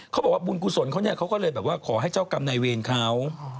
เขาบอกว่าบุญกุศลเขาก็เลยขอให้เจ้ากรรมในเวรเขา